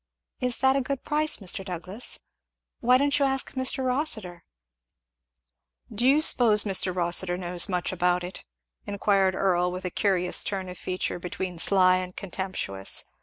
"Is that a good price, Mr. Douglass? Why don't you ask Mr. Rossitur?" "Do you s'pose Mr. Rossitur knows much about it?" inquired Earl with a curious turn of feature, between sly and contemptuous.